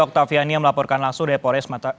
oktaviani yang melaporkan langsung dari polres